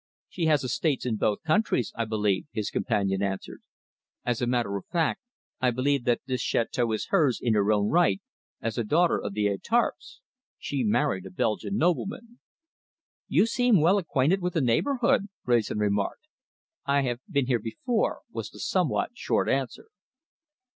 She has estates in both countries, I believe," his companion answered. "As a matter of fact, I believe that this château is hers in her own right as a daughter of the Étarpes. She married a Belgian nobleman." "You seem well acquainted with the neighbourhood," Wrayson remarked. "I have been here before," was the somewhat short answer.